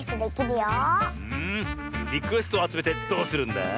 リクエストをあつめてどうするんだ？